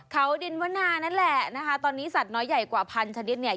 เขาดินวนานั่นแหละนะคะตอนนี้สัตว์น้อยใหญ่กว่าพันชนิดเนี่ย